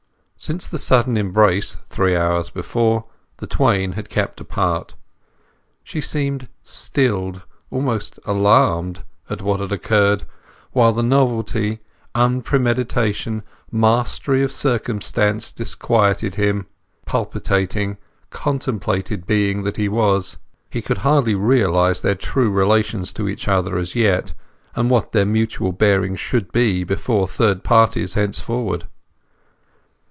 Since the sudden embrace, three hours before, the twain had kept apart. She seemed stilled, almost alarmed, at what had occurred, while the novelty, unpremeditation, mastery of circumstance disquieted him—palpitating, contemplative being that he was. He could hardly realize their true relations to each other as yet, and what their mutual bearing should be before third parties thenceforward.